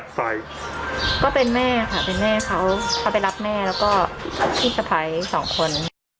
ก็เป็นแม่เค้าเขาไปรับแม่แล้วที่สะพัย๒คน